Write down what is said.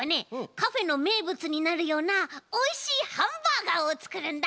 カフェのめいぶつになるようなおいしいハンバーガーをつくるんだ！